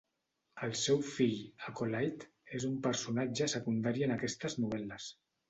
El seu fill, Acolyte, és un personatge secundari en aquestes novel·les.